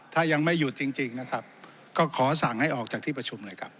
ถ้ายังไม่หยุดจริงนะครับก็ขอสั่งให้ออกจากที่ประชุมเลยครับ